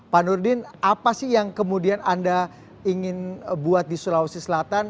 pak nurdin apa sih yang kemudian anda ingin buat di sulawesi selatan